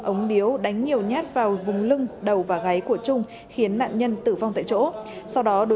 ống điếu đánh nhiều nhát vào vùng lưng đầu và gáy của trung khiến nạn nhân tử vong tại chỗ sau đó